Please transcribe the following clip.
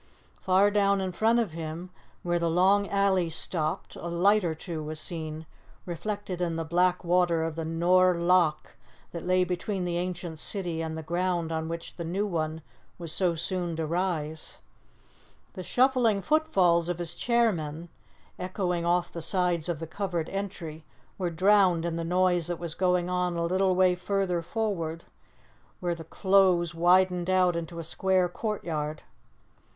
Far down in front of him, where the long alley stopped, a light or two was seen reflected in the black water of the Nor' Loch that lay between the ancient city and the ground on which the new one was so soon to rise. The shuffling footfalls of his chairmen, echoing off the sides of the covered entry, were drowned in the noise that was going on a little way farther forward, where the close widened out into a square courtyard.